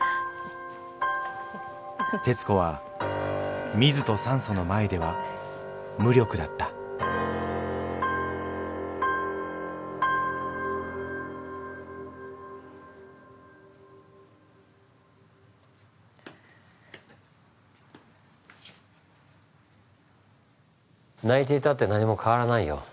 テツコはミズとサンソの前では無力だった泣いていたって何も変わらないよ。